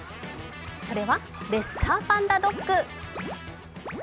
それはレッサーパンダドッグ。